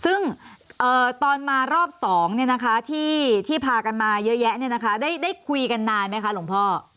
ซึ่งตอนมารอบ๒ที่พากันมาเยอะแยะได้คุยกันนานไหมคะหลวงพ่อ